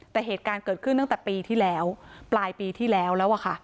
แต่เหตุการณ์เกิดขึ้นตั้งแต่ปีที่แล้วปลายปีที่แล้วแล้วอะค่ะ